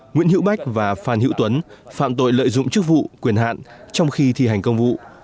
nguyễn hữu bách và phan hữu tuấn phạm tội lợi dụng chức vụ quyền hạn trong khi thi hành công vụ